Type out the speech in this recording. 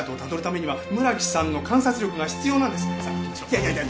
いやいやいや！